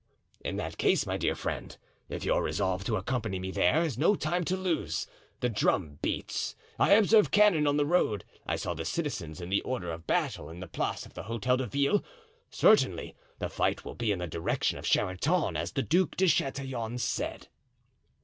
"In that case, my dear friend, if you are resolved to accompany me there is no time to lose; the drum beats; I observed cannon on the road; I saw the citizens in order of battle on the Place of the Hotel de Ville; certainly the fight will be in the direction of Charenton, as the Duc de Chatillon said."